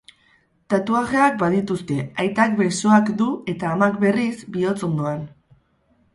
Tatuajeak badituzte, aitak besoak du eta amak, berriz, bihotz ondoan.